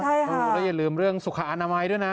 ใช่ฮะแล้วอย่าลืมเรื่องสุขอาณาวัยด้วยนะ